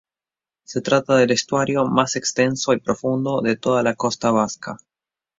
Se trata del estuario más extenso y profundo de toda la costa vasca.